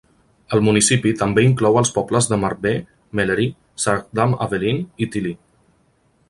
El municipi també inclou els pobles de Marbais, Mellery, Sart-Dames-Avelines i Tilly.